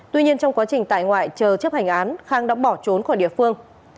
tuy nhiên trong quá trình tại ngoại chờ chấp hành án khang đã bỏ trốn khỏi địa phương